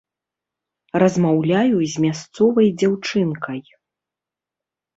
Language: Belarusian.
Размаўляю з мясцовай дзяўчынкай.